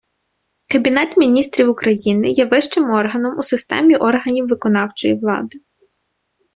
Кабінет Міністрів України є вищим органом у системі органів виконавчої влади.